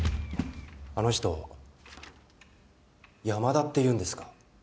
あの人山田っていうんですか？